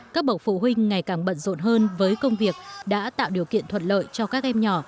các bậc phụ huynh ngày càng bận rộn hơn với công việc đã tạo điều kiện thuận lợi cho các em nhỏ